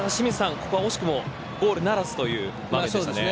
ここは惜しくもゴールならずという場面でしたね。